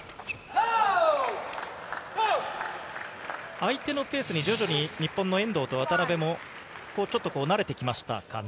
相手のペースに徐々に日本の遠藤と渡辺もちょっと慣れてきましたかね。